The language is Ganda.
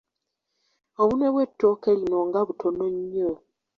Obunwe bw’ettooke lino nga butono nnyo!